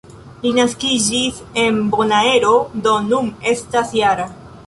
Li naskiĝis en Bonaero, do nun estas -jara.